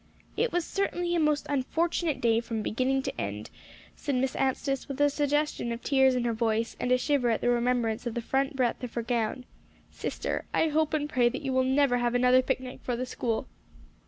"It was certainly a most unfortunate day from beginning to end," said Miss Anstice, with a suggestion of tears in her voice, and a shiver at the remembrance of the front breadth of her gown. "Sister, I hope and pray that you will never have another picnic for the school."